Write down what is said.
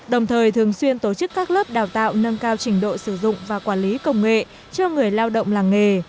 đồng thời thường xuyên tổ chức các lớp đào tạo nâng cao trình độ sử dụng và quản lý công nghệ cho người lao động làng nghề